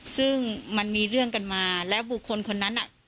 ซึ่งมันมีเรื่องกันมาแล้วบุคคลคนนั้นน่ะ